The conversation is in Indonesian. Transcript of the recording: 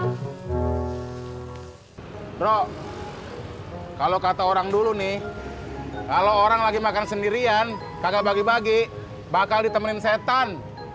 bro kalau kata orang dulu nih kalau orang lagi makan sendirian kagak bagi bagi bakal ditemenin setan